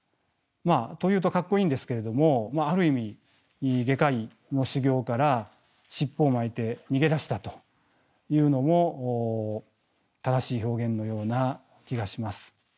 と言うとかっこいいんですけれどもある意味外科医の修業から尻尾を巻いて逃げ出したというのも正しい表現のような気がします。